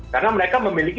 karena mereka memiliki